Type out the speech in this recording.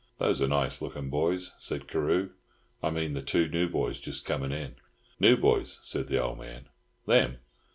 "Those are nice looking boys," said Carew. "I mean the two new boys just coming in." "New boys!" said the old man. "Them!